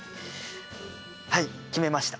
はい決めました。